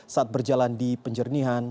saat berjalan di penjernihan